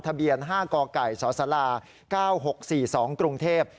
ทะเบียน๕กไก่สศ๙๖๔๒กรุงเทพฯ